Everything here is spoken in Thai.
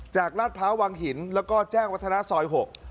ลาดพร้าววังหินแล้วก็แจ้งวัฒนาซอย๖